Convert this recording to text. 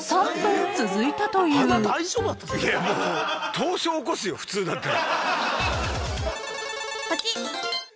凍傷起こすよ普通だったら。